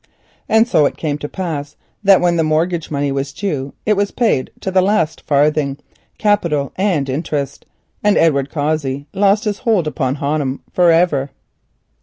And so it came to pass that when the mortgage money was due it was paid to the last farthing, capital and interest, and Edward Cossey lost his hold upon Honham for ever.